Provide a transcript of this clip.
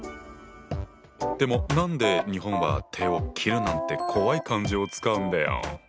でも何で日本は手を切るなんて怖い漢字を使うんだよ？